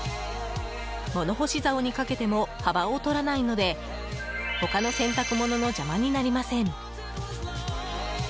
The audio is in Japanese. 物干しざおにかけても幅を取らないので他の洗濯物の邪魔になりません。